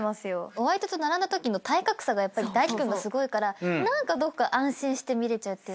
お相手と並んだときの体格差が泰輝君がすごいから何かどっか安心して見れちゃうっていうか。